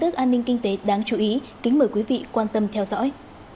cảm ơn các bạn đã theo dõi